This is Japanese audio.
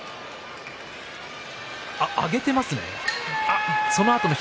上げていますね。